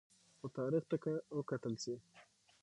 خو تاریخ ته که وکتل شي